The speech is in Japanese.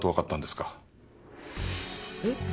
えっ？